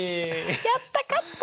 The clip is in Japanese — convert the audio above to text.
やった勝った！